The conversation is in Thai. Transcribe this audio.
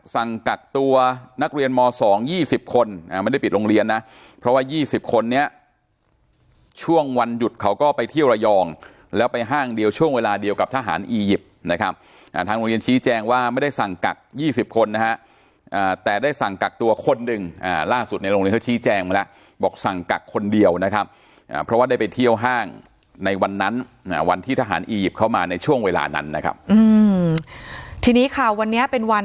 สั่งกัดตัวนักเรียนม๒๒๐คนไม่ได้ปิดโรงเรียนนะเพราะว่า๒๐คนเนี่ยช่วงวันหยุดเขาก็ไปเที่ยวระยองแล้วไปห้างเดียวช่วงเวลาเดียวกับทหารอียิปต์นะครับทางโรงเรียนชี้แจงว่าไม่ได้สั่งกัด๒๐คนนะฮะแต่ได้สั่งกัดตัวคนหนึ่งล่าสุดในโรงเรียนเขาชี้แจงมาแล้วบอกสั่งกัดคนเดียวนะครับเพราะว่าได้ไปเที่